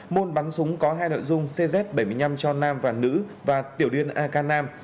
môn bắn súng có hai nội dung cz bảy mươi năm cho nam và nữ và tiểu điên akm